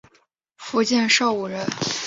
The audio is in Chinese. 福建邵武人。